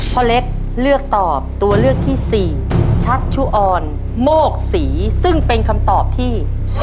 พ่อเล็กเลือกตอบตัวเลือกที่สี่ชักชุออนโมกศรีซึ่งเป็นคำตอบที่